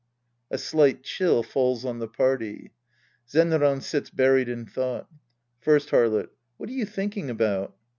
{A slight chill falls on the party. Zenran sits buried in thought^ First Harlot. What are you thinking about